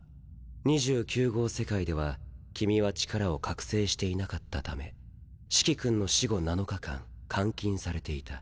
２９号世界では君は力を覚醒していなかったためシキ君の死後７日間監禁されていた。